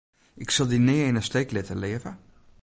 Ik sil dy nea yn 'e steek litte, leave.